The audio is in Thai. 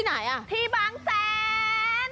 ไหนอ่ะที่บางแสน